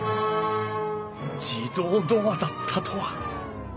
自動ドアだったとは。